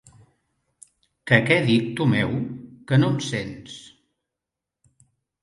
Que què dic, Tomeu? Que no em sents?